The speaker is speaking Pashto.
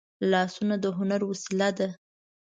لاسونه د هنر وسیله ده